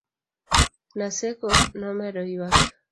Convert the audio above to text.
Naseko nomedo yuak